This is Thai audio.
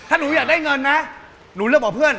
ถ้าหนูอยากได้เงินนะหนูเลือกบอกเพื่อน